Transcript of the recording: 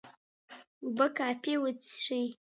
اوبه کافي وڅښئ.